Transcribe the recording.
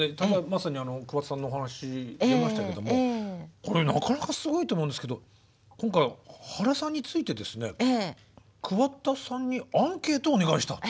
まさにあの桑田さんのお話出ましたけどもこれなかなかすごいと思うんですけど今回原さんについてですね桑田さんにアンケートをお願いしたと。